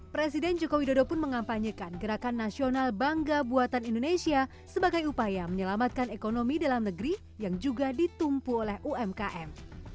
presiden jokowi dodo pun mengampanyekan gerakan nasional bangga buatan indonesia sebagai upaya menyelamatkan ekonomi dalam negeri yang juga ditumpu oleh umkm